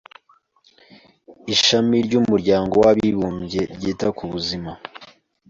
Ishami ry’Umuryango w’Abibumbye Ryita ku Buzima.